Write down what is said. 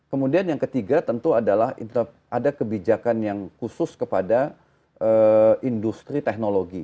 kemudian yang ketiga tentu adalah ada kebijakan yang khusus kepada industri teknologi